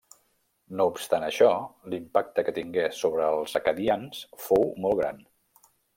No obstant això, l'impacte que tingué sobre els acadians fou molt gran.